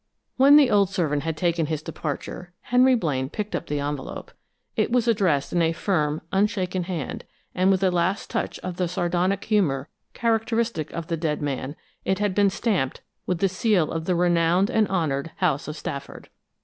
When the old servant had taken his departure, Henry Blaine picked up the envelope. It was addressed in a firm, unshaken hand, and with a last touch of the sardonic humor characteristic of the dead man, it had been stamped with the seal of the renowned and honored House of Stafford.